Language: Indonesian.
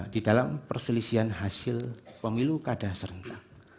di dalam perselisihan hasil pemilu kada serentak